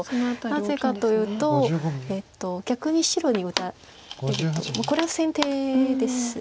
なぜかというと逆に白に打たれるとこれは先手です。